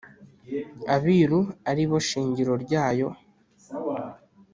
Abiru aribo shingiro ryayo